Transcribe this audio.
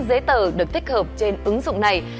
giấy tờ được thích hợp trên ứng dụng này